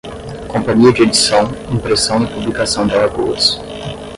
Companhia de Edição, Impressão e Publicação de Alagoas